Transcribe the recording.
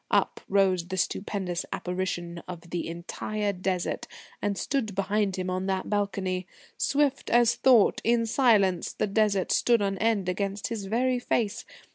Up rose the stupendous apparition of the entire Desert and stood behind him on that balcony. Swift as thought, in silence, the Desert stood on end against his very face.